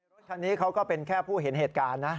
รถคันนี้เขาก็เป็นแค่ผู้เห็นเหตุการณ์นะ